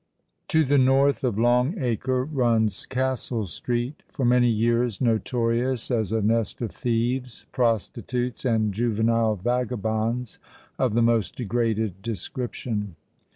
To the north of Long Acre runs Castle Street—for many years notorious as a nest of thieves, prostitutes, and juvenile vagabonds of the most degraded description.